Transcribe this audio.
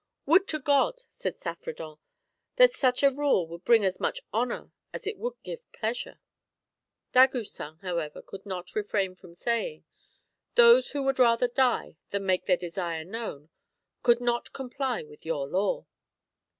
"Would to God," said Saffredent, "that such a rule would bring as much honour as it would give pleasure." Dagoucin, however, could not refrain from saying " Those who would rather die than make their desire known could not comply with your law."